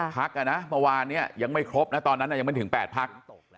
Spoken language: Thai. พักนะเมื่อวานนี้ยังไม่ครบนะตอนนั้นยังไม่ถึง๘พัก